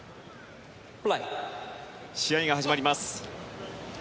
試合が始まります。